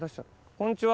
こんにちは。